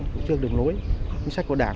cũng chương đường lối chính sách của đảng